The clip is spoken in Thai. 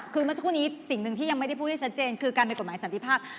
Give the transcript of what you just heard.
คือเมื่อสักครู่นี้สิ่งหนึ่งที่ยังไม่ได้พูดให้ชัดเจนคือการเป็นกฎหมายสันติภาพ